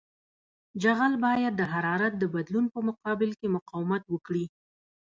جغل باید د حرارت د بدلون په مقابل کې مقاومت وکړي